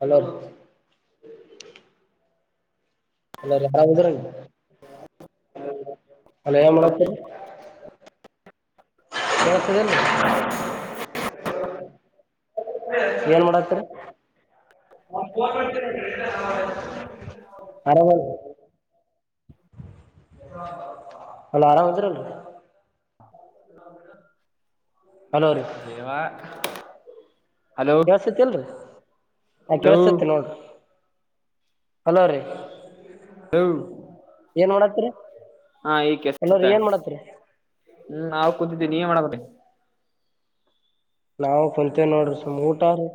hello ಅಲ್ಲ ರಾಮರ ಅಲಮ್ಮಳ ಹ ಏನ್ ಮಾಡತರಿ ಆರಾಮ ಅಲ್ಲ ಆರಾಮಂದರಲ್ಲ ಹಲೋ ದೇವಾ ಹಲೋ ಕೆಳ್ಸತಿಲ್ರಿ ಆ ಹಲೋ ಕೆಳ್ಸತಿ ನೋಡ್ರಿ ಹಲೋ್ರೀ ಹಲೋ ಏನ್ ನೋಡ ್ರ ಹಾ ಈ ಕೆಸುತ್ತೆ ಹ್ಮ್ ನಾ ಕೂತಿದ್ದೀನಿ ನೀ ಮಾಡ ಹ ನಾವು ಕುಂತೇವಿ ನೋಡ್ರಿ ಸುಮ್ ಊಟ ರೀ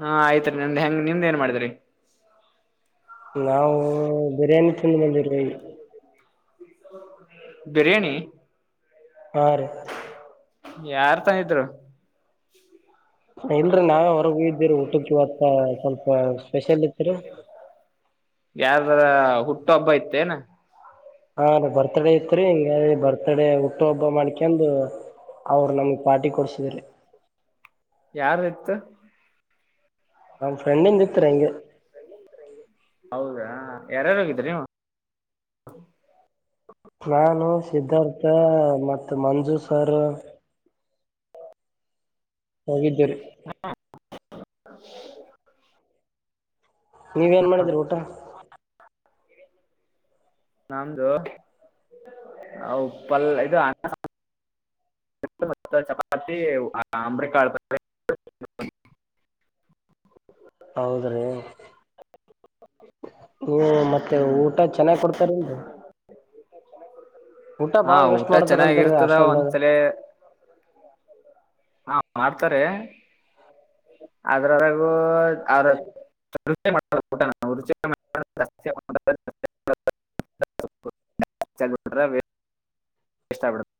ಹಾ ಆಯ್ತ್ರಿೀ ನಂದು ಹೆಂಗ ನಿಮ ಏನ್ ಮಾಡಿದ್ರಿ ನಾವು ಬಿರಿಯಾನಿ ಚಂದ ಬಂದಿರಿ ಬಿರಯಾನಿ ಹಾ ರೀ ಯಾರ್ ತನಿದ್ರು ಇಲ್ರರಿ ನಾವೇ ಹೊರಗೂ ಇದ್ದೀರಿ ಊಟಕ್ಕೆ ಅತ್ತ ಸ್ವಲ್ಪ ಸ್ಪೆಷಲಿ ಯಾರದ್ರ ಹುಟ್ಟು ಹಬ್ಬ ಆಯತ ತ್ತನು ಹಾ ಅ ಬರ್ತಡಡೆ ಇತ್ರಿ ಬರ್ ಒತ್ತಡೆ ಹುಟ್ಟ ಹಬ್ಬ ಮಾಡ್ಕಂದು ಅವರು ನಮ್ಗ್ ಪಾರ್ಟಿ ಕೊಡ್ಸಿದೆ ಯಾರ ಇತ್ತು ನಮ್ಮ್ ಫ್ರೆಂಡ್ಿಂದ ಇತ್ರ ಹಿಗೆ ಹೌದಾ ಯಾರಾರುೋಗಿದ್ರಿ ನಾನು ಸಿದ್ಧಾರ್ಥ ಮತ್ತ ಮಂಜು ಸರ್ ಹೋಗಿದ್ದೀರಿ [inaudible] ನೀವೇನ್ ಮಾಡಿದೀರ ಊಟ ನಮ್ದು ಉಪ್ಪಲ್ಲ ಇದು ಅ [unintelligible] ಹೌದ್ರೀ ನೀವು ಮತ್ತೆ ಹ್ಮ್ ಊಟ ಚೆನ್ನಾಗ್ ಕೊಡ್ತಾರ ಏನ್ರೀ ಊಟ ಬಾಳ ವೇಸ್ಟ್ ಮಾಡ್ತಾರ ಅಂತಾರೀ ಹಷ್ಟಲ್ದಾಗ ಏ ಹಾ ಮಾಡ್ತಾರೆ ಅದ್ರೊರಗೂ ಆರ [unintelligible] ಇಷ್ಟ ಆಗ್ ಬಿಡತ್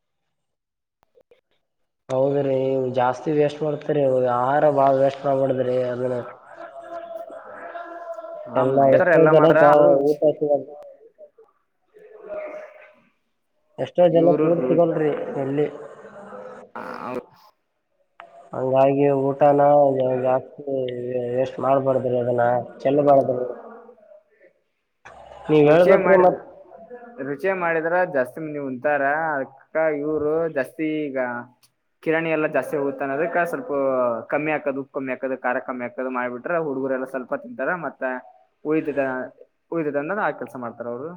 ಹೌದ್ರೀ ಜಾಸ್ತಿ ವೇಸ್ಟ್ ಮಾಡ್ತರಿ ಆ ಬಾಳ ವೇಸ್ಟ್ ಮಾಡಬ್ಯಾದ್ರಿ ಅದನ್ನ ನಮ್ಮ ಎಲ್ಲಾ ಹೆಸರು ಎಷ್ಟೋ ಎಲ್ಲ ಮಾಡ್ರ ಜನಕ್ ಬಾಳ್ ಆದ್ರೂ ರುಚಿ ಊಟಾ ಸೀಗಲ್ದ [inaudible] ಎಷ್ಟೋ ಜನಕ ಇವರು ಊಟ್ ಸಿಗೋಲ್ ರಿ ಎಲ್ಲಿ ಹ ಹೌ ಹಂಗಾಗಿ ಊಟನ ಜಾಸ್ತಿ ವೆ ವೇಸ್ಟ್ ಮಾಡ್ಬಾರ್ದ್ರಿ ಅದನ್ನ ಚೆಲ್ಲಬಾರ್ದ್ರಿ ನೀವ್ ಹೇಳ್ಬೇಕ್ರಿ ಮತ್ತ ಚಿಯೇ ಮಾಡಿದ್ರ ಜಾಸ್ತಿ ಮಂದಿ ಉಂತಾರಾ ಅದಕ್ಕ ಇವ್ರು ಜಾಸ್ತಿ ಈಗ ಕಿರಾಣಿ ಎಲ್ಲ ಜಾಸ್ತಿ ಹೋಗುತ್ತಾ ಅದಕ್ ಸ್ವಲ್ಪ ಹೊ ಕಮ್ಮಿ ಹಾಕದು ಉಪ್ಪ ಕಮ್ಮಿ ಹಾಕದ ಖಾರ ಕಮ್ಮಿ ಆಕದ ಮಾಡ್ಬಿಟ್ರ ಹುಡುಗುರ ಎಲ್ಲಾ ಸ್ವಲ್ಪ ತಿಂತಾರ ಮತ್ತ ಉಳಿತದ ಉಳಿತದ ಅನ್ನದ ಆ ಕೆಲ್ಸ ಮಾಡ್ತಾರ ಅವ್ರು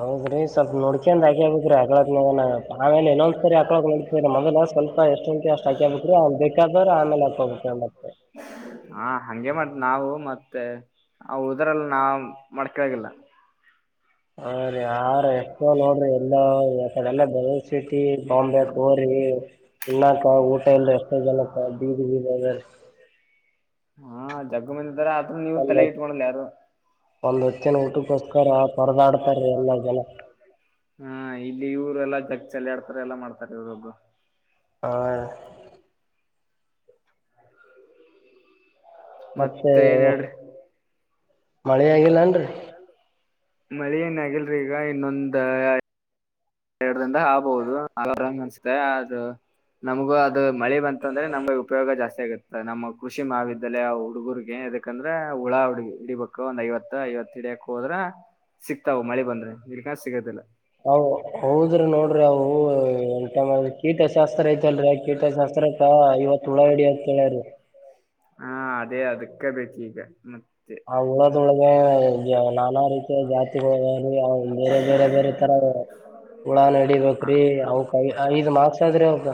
ಹೌದ್ರಿ ಸ್ವಲ್ಪ ನೋಡ್ಕಂದ್ ಆಕ ಹಾಕಳಾಕ್ ಆಗನ ಆಮೇಲ ಇನೊಂದ್ ಸರಿ ಹಾಕಳಕ್ ನಡೀತಾದ್ರಿ ಮೊದಲ ಸ್ವಲ್ಪ ಎಸ್ಟ ಉಂತ್ಯೋ ಅಷ್ಟ ಹಾಕ್ಯಬೇಕ್ರಿ ಬೇಕಾದೋರ್ ಆಮೇಲ ಹಾಕೋಬೆಕ್ ಅಂದ್ಪಲೆ ಹಾ ಹಂಗೆ ಮಾಡ್ ನಾವು ಮತ್ತೆ ಆ ಉಳದ್ರಲ್ಲ ನಾವ್ ಮಡ್ಕಾಳ್ಗಿಲ್ಲ ಹಾ ರೀ ಆ ರೆ ಅದಾವ ನೋಡ್ರಿ ಎಲ್ಲಾ ಏ ಆಕಡೆಲ್ಲಾ ಬೆಂಗಳೂರ್ ಸಿಟಿ ಟಿ ಪಾವನ್ಬ್ಯಾಕ್ ಹೋರಿ ಊನ್ನಾಕ ಊಟ ಇಲ್ರಿ ಎಷ್ಟೋ ಜನಕ್ಕ ಬೀದಿ ಬೀದಿ ಅರ ಹಾ ಜಗ್ಗ ಮಂದಿ ಇದಾರ ಆದ್ರೂ ನೀವ್ ಒಂದ್ ತಲೆಯಾಗ ಹೊತ್ ಇಟ್ಕೊಳಲ್ಲ ಯಾರು ಒಂದ್ ಹೊತ್ತಿನ ಊಟಕ್ಕೋಸ್ಕರ ಪರದಾಡ್ತಾರೀ ಎಲ್ಲಾ ಜನಾ ಹಾ ಇಲ್ಲಿ ಇವ್ರೆಲ್ಲಾ ಜಗ್ಗ್ ಚಾಲ್ಯಾಡ್ತರ ಎಲ್ಲಾ ಮಾಡ್ತಾರ ಇವ್ರೊಬ್ರು ಹ್ಮ ಮತ್ತೆ ಏನ್ ಹೇಳ್ರಿ ಮಳಿ ಆಗಿಲ್ಲ ಏನ್ರಿ ಮಳಿ ಏನ್ ಆಗಲ್ರಿ ಈಗ ಇನ್ನೊಂದ ಎರಡ್ ದಿಂದಾಗ ಆಗ್ಬೋದು ಅಗರ್ ಹಂಗ್ ಅನ್ಸತೆ ಅದ ನಮಗೂ ಅದ ಮಳಿ ಬಂತಂದ್ರೆ ನಮ್ಗ ಉಪಯೋಗ ಜಾಸ್ತಿ ಆಗತ್ತ ನಮ್ಮ್ ಕೃಷಿ ಮಾವಿದ್ಯಾಲಯ ಹುಡುಗುರಗೆ ಎದಕಂದ್ರೆ ಹುಳ ಊಡುಗಿ ಹಿಡಿಬೇಕ್ ಒಂದ್ ಐವತ್ತ ಐವತ್ತ ಹಿಡ್ಯಾಕ್ ಹೋದ್ರ ಸಿಕ್ತಾವ ಮಳಿ ಬಂದ್ರೆ ಇಲಕ ಸಿಗದಿಲ್ಲ ಅವು ಹೌದ್ರಿ ನೋಡ್ರಿ ಅವು ಎಂತಾ ಇವತ್ ಹುಳ ಹಿಡಿ ಅಂತ ಹೇಳ್ಯಾರಿ ಹಾ ಅದೇ ಅದ ಕ್ಕ ಬೇಕ್ ಈಗ ಮತ್ತ ಆ ಉಳದ ಒಳಗೆ ನಾನಾ ರೀತಿ ಜಾತಿಗಳು ಏ ಅವು ಬೇರೆ ಬೇರೆ ಬೇರೆ ತರ ಹುಳ ಹ ನಡಿಬೇಕ್ರಿ ಅವಕ ಐದ್ ಮಾರ್ಕ್ಸ್ ಆದರಿ ಅವಕ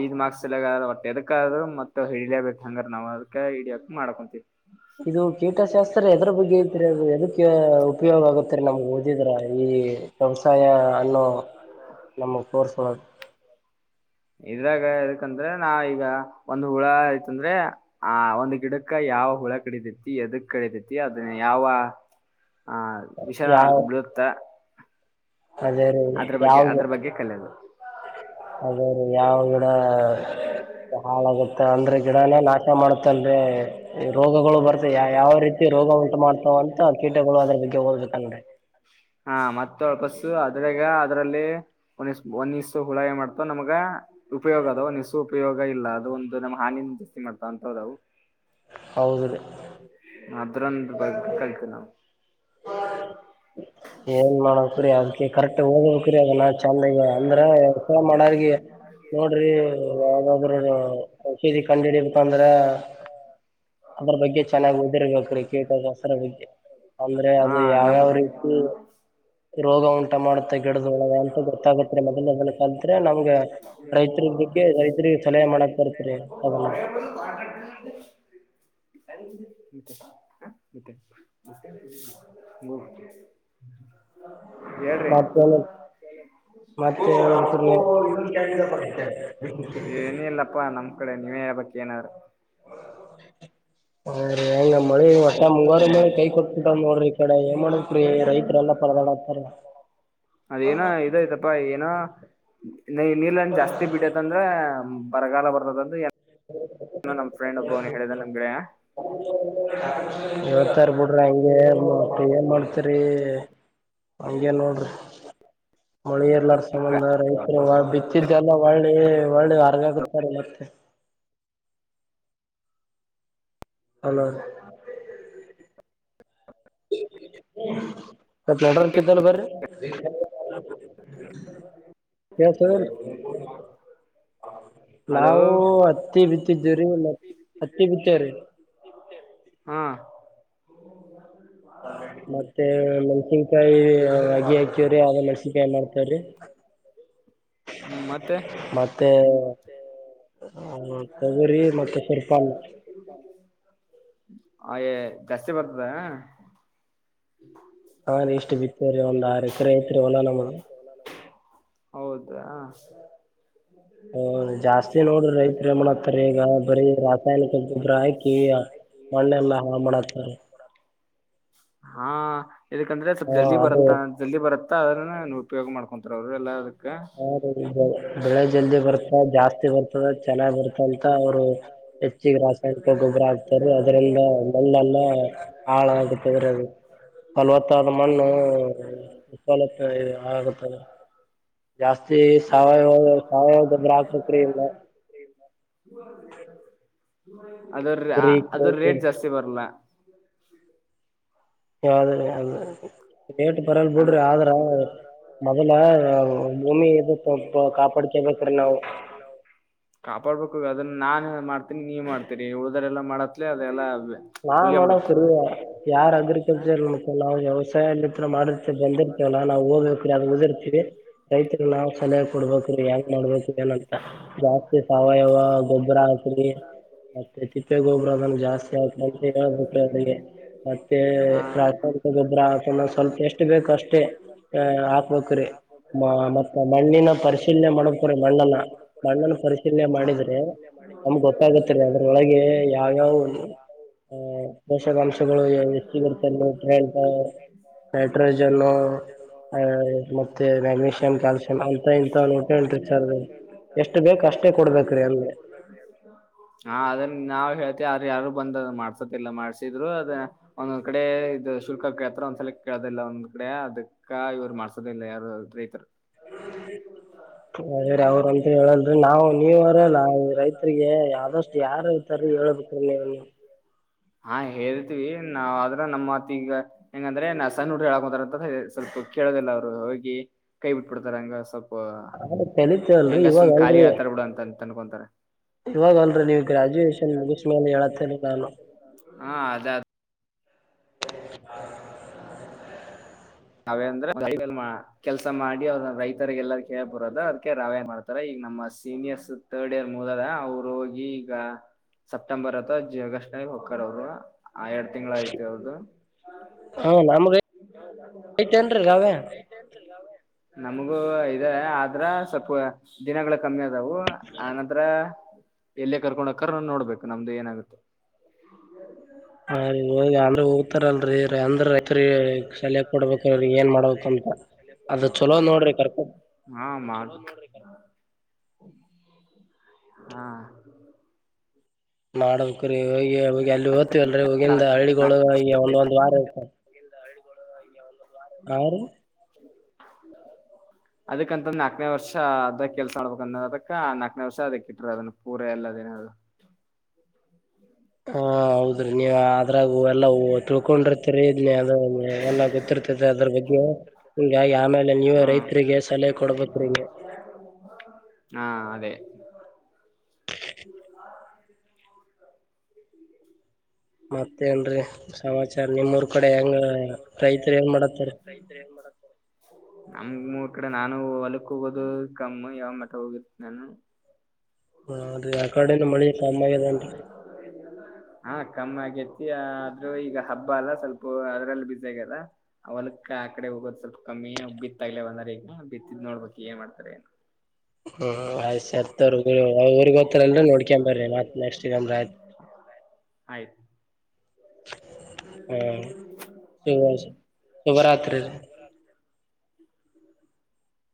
ಐದ ಮಾರ್ಕಸಲ್ಯ ಗ ಒಟ್ಟ ಎದಕ್ಕ ಆದ್ರು ಮತ್ತ ಹಿಡಲೇಬೇಕ್ ಹಂಗಾರ ನಾವವು ಅದಕ್ ಹಿಡಿಯಕ ಮಾಡ್ಕೊಂತೀವಿ ಇದು ಕೀಟಶಾಸ್ತ್ರ ಎದ್ರ ಬಗ್ಗೆ ಐತ್ ಅದು ಎದಕ್ಕೆ ಉಪಯೋಗ ಆಗುತ್ತರಿ ನಮ್ ಹ ಇದಿದ್ರ ಈ ವ್ಯವಸಾಯ ಅನ್ನೋ ನಮ ಕೋರ್ಸ್ ಓಳಗ ಇದ್ರಾಗ ಎದಕಂದ್ರ ನಾ ಈಗ ಒಂದ್ ಹುಳ ಇತಂದ್ರೆ ಆ ಒಂದ್ ಗಿಡಕ ಯಾವ ಹುಳ ಕಡಿತೈತಿ ಯಾದಕ ಕಡಿದೈತಿ ಅದನ ಯಾವ ಹ ವಿಷಾರ ಯಾವ ಬಿಳತ ಅದೇ ರೀ ಯಾವ್ದ ಅದ್ರ ಬಗ್ಗೆ ಕಲಿಯೋದು ಅದೇ ಯಾವಾಗ ಹಾಳಾಗುತ್ತೆ ಅಂದ್ರೆ ಗಿಡನಾಕ ಇಷ್ಟ ಮಾಡ್ತನ್್ರೆ ರೋಗಗಳು ಬರ್ತ ಯ ಯಾವ ರೀತಿ ರೋಗ ಉಂಟು ಮಾಡ್ತಾವ ಅಂತ ಕೀಟಗಳು ಅದ್ರ ಬಗ್ಗೆ ಹೋಗದ್ಬೇಕನ್್ರೆ ಹಾ ಮತ್ತ ವಾಪಸ್ ಅದ್ರಾಗ ಅದ್ರಲ್ಲಿ ಒಂದ ಒಂದ ಇ್ು ಹುಳಾಯಿ ಮಾಡ್ತೋ ನಮ್ಗ ಉಪಯೋಗದ ಸೂ ಉಪಯೋಗ ಇಲ್ಲ ಅದು ಒಂದು ನಮ್ಮ್ ಹಾನಿಿಂದ ಜಾಸ್ತಿ ಮಾಡ್ತಾ ಹೌದವು ಹೌದು ರೀ ಅದ್ರಂದ ಬ ಕಲ್ತ ನಾವು ಏನ್ ಮಾಡು್ರರಿ ಅದಕ್ಕೆ ಕರೆಕ್ಟ್ ಹಓದಬೇಕಕ್್ರರಿ ಅದ ನಾ ಚೆಂದಾಗ ಅಂದ್ರ ಎಸ ಮಾಡಗ ನೋಡ್ರಿ ಯಾವ್ದಾದ್ರು ಔಷೀದಿ ಕಂಡು ಹಿಡಬೇಕಂದ್ರ ಅದ್ರ ಬಗ್ಗೆ ಚೆನ್ನಾಗಾಗಿ ಓದಿರ್ಬೇಕ್ರಿ ಕೀಟಕಸ್ತ್ರ ಬಗ್ಗೆ ಅಂದ್ರೆ ಹಾ ಅದು ಯಾವ್ಯಾವ ನಮ್ ರೀತಿ ರೋಗ ಉಂಟಾ ಮಾಡುತ್ತ ಕೆಡ್ದ್ ಒಳಗ ಅಂತ ಗೊತ್ತಾಗತ್ೆ ಮೊದಲುದ ಕಲ್ತ್ೆ ನಮ್ಗೆ ರೈತರಿ ಬಗ್ಗೆ ರೈತರಿ ಸಲಹೆ ಮಾಡಕ್ ಬರ್ತ್ರಿ ಮತ್ತೆ ಮತ್ತೆ ಹ ಮತ್ತೆ ಮತ್ತೆ ಬಕನರ್ ಹ ಹಂಗ ಮಳಿ ಹೊಟ್ಟ ಮುಂಗಾರ ಮೇ ಕೈ ಕೊಟ್ಬಿಟ ನೋಡ್ರಿ ಈ ಕಡೆ ಏನ್ ಮಾಡತ್್ರೀ ರೈತರೆಲ್ಲಾ ಪರದಾಡತಾರ ಅದೇನೋ ಇದೈತಪ್ಪ ಏನೋ ನೀ ನೀರ್ಲನ್ ಜಾಸ್ತಿ ಬಿಟ್ಟೈತಂದ್ರ ಬರಗಾಲ ಬರದ ಎ ನಮ್ ಗೆಳೆಯ ಇವತ್ತಾರ ಬಿಡ್ರ ಹಗೆ ಮ ಏನ್ ಮಾಡ್ತರಿ ಹಂಗೇನ್ ನೋಡ್ರಿ ಮಳೆ ಎರ್ಲ್ಲ ಸಂಬಂಧ ರೈತರುಾಳ ಬಿ ಹತ್ತಿದ್ದಲ್ಲ ಒಳ್ಳೆ ಒಳ್ಳೆ ಹೊರಗಾಗುತ್ತಾರೆ ಮತ್ತೆ ಹಲೋ ಹ್ಮ ಮತ್ ನಡ ಕಿದ್ದಲ್ ಬರಿಸ ಹಲೋ ನಾವು ಹತ್ತಿ ಬಿತ್ತಿದ್ದೀವಿ್ರೀ ಮತ್ ಹತ್ತಿ ಬಿತ್ತೇವ್ರೀ ಹಾ ಮತ್ತೆ ಮೆನ್ಸಿಂಗ ಕ ಅಗಿ ಹಾಕ್ಯವ್ರಿ ಅ ಮೆಣಸನ್ಕಾಯಿ ಮಾಡ್ತವ್ರಿ ಹ್ಮ್ ಮತ್ತೆ ಮತ್ತೆ ತೊಗರಿ ಮತ್ತೆ ಸುರ್ಪಾನ ಅಯೇ ಜಾಸ್ತಿ ಬರ್ತದ ಹ್ಮ ಹಾ ಇಷ್ಟು ಬಿ ಸರಿ ಒಂದ್ ಆರು ಎಕರೆ ಐತ್ರಿವಲ್ಲಾ ನಮ್ಮದು ರೈತರು ಏನ್ ಮಾಡತ್ತಾರ ಈಗ ಬರೀ ರಾಸಾಯನಿಕ ಗೊಬ್ಬರ ಹಾಕಿ ಮಣ್ಣೆಲ್ಲಾ ಹಾಳ್ ಮಾಡತ್ತಾರ ಹ ಯಕಂದ್ರೆ ಸ್ಲ್ ಹ ಜಲ್ದಿ ಅದು ಬರುತ್ತಾ ಜಲ್ದ ಬರುತ್ತ ಅದನ್ನ ನೀವು ಉಯೋಗ ಮಾಡ್ ಮಂತ್ರವ್ರು ಎಲ್ಲ ಹ ಬೆ ಬೆಳೆ ಜಲ್ದಿ ಬರ್ತ ಜಾಸ್ತಿ ಬರ್ತದ ಚೆನ್ನಾಗ್ ಬರ್ತಂತ ಅವ್ರು ಹೆಚ್ಚಿಗೆ ರಾಸಾಯನಿಕ ಗೊಬ್ಬರ ಆಗ್ತಾರ ಅದ್ರಂದ ಮಲ್ಲೆಲ್ಲ ಹಾಳ ಆಾಗತದ್ರ ಫಲವತ್ತಾದ ಮಣ್ಣು ಸಾಲತ್ತ ಇ ಆಗದೆ ಜಾಸ್ತಿ ಸಾವಯವ ಸಾವಯವ ದೊಬ್ಬ್ರ ಆಾಪಕ್ರ ಇಲ್ಲ ಹ್ಮ ಅದ್ರ ಕುರಿ ಅದ್ರ ಕೋಳಿ ರೇಟ್ ಜಾಸ್ತಿ ಬರಲ್ಲ ಯಾವದ ಅ ರೇಟ್ ಬರಲ್ ಅದ ಬಿಡ್ರಿ ಆದ್ರ ಮೊದ್ಲ ಭೂಮಿ ಎದ ಕಾಪಾಡಿಕಬೇಕಡೆ ನಾವು ಕೊಡ್ಬೇಕು ಅದನ್ನ ನಾನನ್ ಮಾಡ್ತೀನಿ ನೀವ್ ಮಾಡ್ತೀರಿ ಉಳದರೆ ಎಲ್ಲ ಮಾಡತ್ೇ ಅದೆಲ್ಲ ನಾನ್ ಮಾಡೋಡ ಕುರಿ ಯಾರ್ ಅಗ್ರಿಕಲ್ಚರ್ ಮ ನಾವು ವ್ಯವಸಾಯಲ್ಲಿ ಮಾಡ ಮೆ ಬಂದಿರ್ತೇವಲ್ಲಾ ನಾವವು ಹೋಗ್ಬೇಕೀರಿ ಅದು ಉದಿರ್ತೀರಿ ರೈತರಲ್ಲಾ ಕಲ ಕೊಡ್ಬೇಕ್ರೀ ಹೆಂಗ್ ಮಾಡ್ಬೇಕ ಏನಂತ ಜಾಸ್ತಿ ಸಾವಯವ ಗೊಬ್ಬರ ಹಾಕ್ರಿ ಮತ್ತೆ ತಿಪ್ಪೆ ಗೊಬ್ಬರ ಅದನ್ ಜಾಸ್ತಿ ಹಾಕ್ ಅ ಹೇಳ್ಬೇಕ ಅದಿಗೆ ಮತ್ತೆ ಹಾ ರಾಸಾಯನಿಕ ಗೊಬ್ಬರ ಅನ್ನ ಸ್ವಲ್ಪ ಎಷ್ಟು ಬೇಕು ಅಷ್ಟೇ ಹಾಕ್ಬೇಕ್ರೀ ಮತ್ತ ಮಣ್ಣಿನ ಪರಿಶ ಪರಿಶೀಲನೆ ಮಾಡಕ್್ರ ಬಣ್ಣನ ಬಣ್ಣನ ಪರಿಶೀಲನೆ ಮಾಡಿದ್ರೆ ನಮ್ ಗೊತ್ತಾಗುತ್ತೆರಿ ಅದ್ರೊಳಗೆ ಯಾವ್ಯಾವ ಆ ಪೋಷಕಾಂಶಗಳು ಹೆಚ್ಚಗ ಇರ್ತದೆ್ರ ನೈಟ್ರೋಜನ್ ಆ ಮತ್ತೆ ಮ್ಯಾಗನೀಷಿಯಂ ಕ್ಯಾಲ್ಸಿಯಂ ಅಂತ ಇ ಅಷ್ಟೇ ಕೊಡ್ಬೇಕ್ರಿ ಅಂದ್ರೆ ಹಾ ಅದನ್ನ ನಾವವು ಹೇಳ್ ಯಾರ ಯಾರು ಬಂದ ಮಾಡ್ಸೋದಿಲ್ಲ ಮಾಡ್ಸಿದ್ರು ಅದ ಒಂದೊಂದ್ ಕಡೆ ಇ ಇದ ಶುಲ್ಕ ಕೇಳ್ತಾರ ಒಂದ್ಸಲ ಕೇಳದಿಲ್ಲ ಒಂದ್ ಕಡೆ ಅದಕ್ಕ ಇವ್ರು ಮಾಡ್ಸೋದಿಲ್ಲ ಯಾರು ರೈತರು ಅದ ರೀ ಅವ್ರಂತ ಹೇಳಲ್ರರಿ ನಾವವು ನೀವರಲ್ಲ ರೈತ್ರಿಗೆ ಆದಷ್ಟು ಯಾರ ಇತಾರ ಹೇಳಬೇಕ್ರೀ ನೀನು ಹಾ ಹೇಳ್ತಿೀವಿ ನಾವ್ ಅ್ರ ನಮ್ಮತ್ತ ಈಗ ಹೆಂಗಂದ್ರೆ ನ ಸಣ್ಣ ಹುಡು ಹೇಳಾಕ್ಂತಾರ ಅಂತ ಸ್ವಲ್ಪ ಕೇಳೋದಿಲ್ಲ ಅವ್ರು ಹೋಗಿ ಕೈ ಬಿಟ್ಬ ಬಿಡ್ತಾರ ಹಂಗ ಸ್ವಲ್ಪ ಹ ಕಲಿತೇ ಅಲ್ರರಿ ಹೆಂಗ ಇವಾಗ ಸುಮ್ ಖಾಲಿ ಅಲ್ರರಿ ಹೇಳ್ತಾರ ಬಿಡು ಅಂತ ಅನ್ಕೊಂತಾರ ಇವಾಗ ಅಲ್ರರಿ ನೀವು ಗ್ರಾಜುಯೇಷನ್ ಮುಗಿಸ್ಮೇಲೆ ಹೇಳತ್ತೇನೆ ನಾನು [inaudible] ಹಾ ಅದ ರವೆ ಅಂದ್ರೆ ಕೆಲ್ಸ ಮಾಡಿ ಅವ್ರ ರೈತರಿಗೆ ಎಲ್ಲ ಕೇರಿ ಬರೋದು ಅದಕ ರವೆ ಮಾಡ್ತಾರ ಈಗ ನಮ್ಮ ಸೀನಿಯರ್ಸ್ ತರ್ಡ್ ಇಯರ್ ಮೂಲದ ಅವ್ರು ಹೋಗಿ ಈಗ ಸೆಪ್ಟೆಂಬರ್ ಅಥವಾ ಜೆ ಆಗಸ್ಟರಾಗ ಹಕ್ಕಾರ ಅವ್ರು ಆ ಎರಡ್ ತಿಂಗಂಗಳ ಯ್ತಿ ಅವ್ರದು ಹಾ ನಮಗೆ ವೈಟ್ ಏನ್ರಿರವೆ ನಮಗೂ ಇದೆ ಆದ್ರ ಸ್ವಲ್ಪ ದಿನಗಳ ಕಮ್ಮಿ ಅದವು ಆನಂತ್ರ ಎಲ್ಲೇ ಕರ್ಕೊಂಡ ಹೋಗ್ತಾ ರೆ ನೋಡ್ಬೇಕು ನಮ್ದು ಏನಾಗುತ್ತೆ ಅಂದ್ರ ಹೋಗ್ತಾರಲ್ರರಿ ಅಂದ್ರ ತ್ರಿ ಸಲಹ ಕೊಡ್ಬೇಕ್ರಿ ಏನ್ ಮಾಡ್ಬೇಕಂತ ಅದ ಚಲೋ ನೋಡ್ರಿ ಕರ್ಕೊಂಡೊಂಡ ಹಾ ಮಾಡ ಹಾ ಮಾಡಲ್ಕರಿ ಹೋಗಿ ಅಲ್ಲಿ ಓದ್ತವಿ ಅಲ್ರರಿ ಹೋಗಿಂದ ಹಳ್ಳಿಗೊಳ ಈ ಒಂದಂದಂದು ವಾರ ಇರುತ್ತಾವಿ ಆ ರೀ ಅದಕ್ಕಂತ ನಾಲ್ಕನೇ ವರ್ಷ ಅದೇ ಕೆಲ್ಸ ಮಾಡ್ಬೇಕಂದ ಅದಕ್ಕ ನಾಕನೇ ವರ್ಷ ಅದಕ್ಕೆ ಇಟ್ಟ್ರ ಅದನ್ನ ಪೂರ ಎಲ್ಲದಿನಗಳು ಹಾ ಹೌದ್ರಿ ನೀವ ಅದ್ರಾಗ ಎಲ್ಲಾ ತಿಳ್ಕೊಂಡಿರ್ತರಿ ಇದ ಅ ಎಲ್ಲಾ ಗೊತ್ತಿರ್ತದ ಅದ್ರ ಬಗ್ಗೆ ಹಿಂಗಾಗಿ ಆಮೇಲೆ ನೀವೇ ಹೀಗಾಗಿ ರೈತ್ರಿಗೆ ಸಲಹೆ ಕೊಡ್ಬೇಕ್ರೀ ಹಾ ಅದೇ ಮತ್ತೇನ್ರಿ ಸಮಾಚಾರ ನಿಮ್ಮೂರ್ ಕಡೆ ಹೆಂಗ ರೈತರು ಏಂಗ ಮಾಡತಾರೆ ನಮ್ ಮೂರ ಕಡೆ ನಾನು ಹೊಲಕ್ ಹೋಗೋದು ಕಮ್ಮ ಯಾವ ಮಠ ಹೋಗಿತಿ ನಾನು ಹಾನ್ ರೀ ಕಡೆನು ಮಳೆ ನಮ್ಮ ಏದಟ [unintelligible] ಎತ್ತಿ ಆದ್ರೂ ಈಗ ಹಬ್ಬ ಅಲ್ಲ ಸ್ವಲ್ಪ ಅದ್ರಲ್ಲಿ ಬಿಸಿ ಆಗ್ಯಾರ ಹೊಲಕ್ಕ ಆ ಕಡೆ ಹೋಗೋದು ಸ್ವಲ್ಪ ಕಮ್ಮಿ ಬಿತ್ತಾಗ್ಲ ಒಂದ್ರ ಈಗ ಬಿತ್ತಿದ್ ನೋಡ್ಬೇಕಕ್ ಏನ್ ಮಾಡ್ತಾರೆ ಏನು ಹ್ಮ್ ಆಯ್ತು ಸತ್ತವ ಊರಿಗೋತ್ರಲ್ರ ನೋಡ್ಕೊಂಡು ಬರ್ರಿ ನೆಕ್ಟ್ ಆಯ್ತು ಆಯ್ತು ಹ್ಮ ಶುಭರಾತ್ರಿ ರೀ ಹ್ಮ [inaudible]